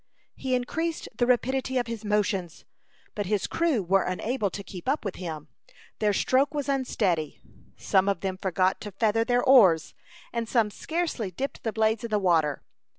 He increased the rapidity of his motions, but his crew were unable to keep up with him. Their stroke was unsteady; some of them forgot to feather their oars, and some scarcely dipped the blades in the water.